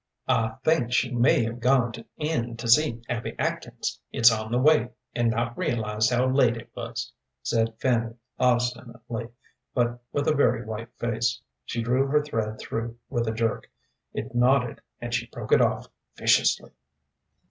"I think she may have gone in to see Abby Atkins it's on the way and not realized how late it was," said Fanny, obstinately, but with a very white face. She drew her thread through with a jerk. It knotted, and she broke it off viciously.